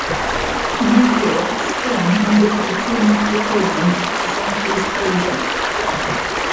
Mid-year, "Swan" undertook a two-month deployment to South East Asia.